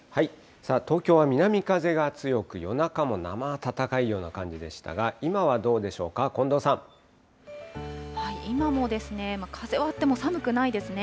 さあ、東京は南風が強く、夜中も生暖かいような感じでしたが、今はどうでしょうか、今もですね、風はあっても寒くないですね。